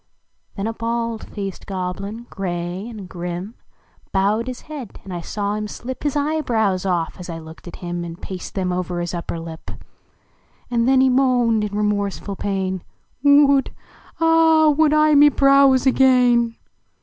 Then a bald faced (loblin, gray and grim, I owed his head, and 1 saw him slip His evebrows off, as I looked at him, And paste them over his upper lip; And then he moaned in remorseful pain Would Ah, would I d me brows again!"